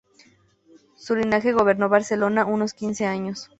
Su linaje gobernó Barcelona unos quince años.